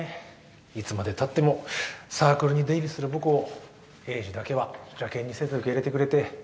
いつまでたってもサークルに出入りする僕を栄治だけは邪険にせず受け入れてくれて。